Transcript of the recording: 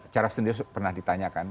charles itu pernah ditanyakan